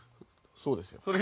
そうですよ。